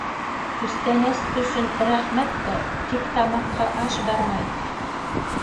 - Күстәнәс өсөн рәхмәт тә, тик тамаҡҡа аш бармай.